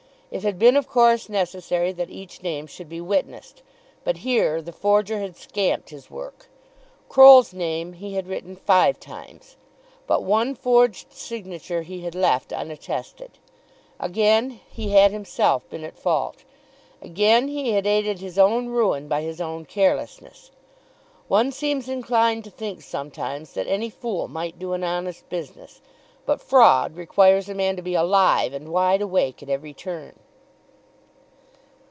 It had been of course necessary that each name should be witnessed; but here the forger had scamped his work. Croll's name he had written five times; but one forged signature he had left unattested! Again he had himself been at fault. Again he had aided his own ruin by his own carelessness. One seems inclined to think sometimes that any fool might do an honest business. But fraud requires a man to be alive and wide awake at every turn!